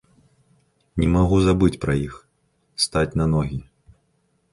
Не магу забыць пра іх, стаць на ногі.